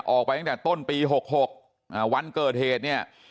ทั้งคู่เนี่ยออกไปตั้งแต่ต้นปี๖๖วันเกิดเหตุเนี่ย